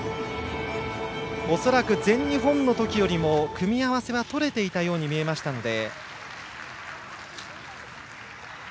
恐らく、全日本の時よりも組み合わせは取れていたように見えましたので。